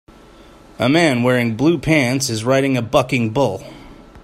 A man wearing blue pants is riding a bucking bull.